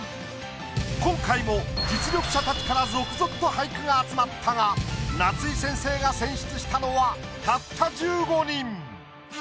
今回も実力者たちから続々と俳句が集まったが夏井先生が選出したのはたった１５人。